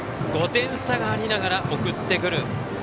５点差がありながら送ってくる。